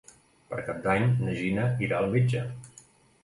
Per Cap d'Any na Gina irà al metge.